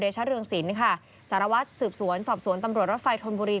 เดชะเรืองสินสารวัสสืบสวนสอบสวนตำรวจรัฐไฟธนบุรี